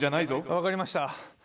分かりました。